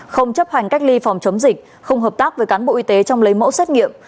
không chấp hành cách ly phòng chống dịch không hợp tác với cán bộ y tế trong lấy mẫu xét nghiệm